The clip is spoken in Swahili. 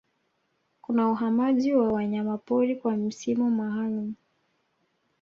Kuna Uhamaji wa Wanyamapori kwa msimu maalumu